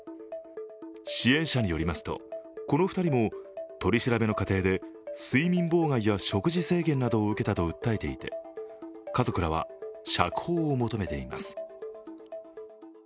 支援者によりますとこの２人も取り調べの過程で睡眠妨害や食事制限など受けたと訴えていて家族らは釈放を求めています。